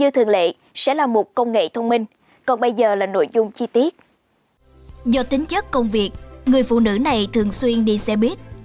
do tính chất công việc người phụ nữ này thường xuyên đi xe buýt